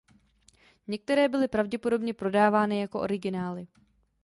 Některé byly pravděpodobně prodávány jako originály.